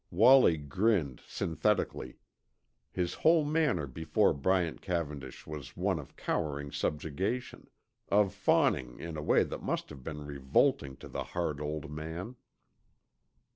Wallie grinned synthetically. His whole manner before Bryant Cavendish was one of cowering subjugation, of fawning in a way that must have been revolting to the hard old man.